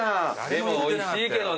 でもおいしいけどね。